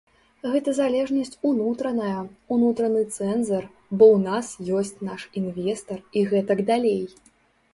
Гэта залежнасць унутраная, унутраны цэнзар, бо ў нас ёсць наш інвестар і гэтак далей.